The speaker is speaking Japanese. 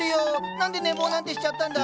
何で寝坊なんてしちゃったんだ？